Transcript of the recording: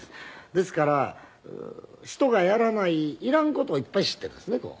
ですから人がやらないいらん事をいっぱい知っているんですね。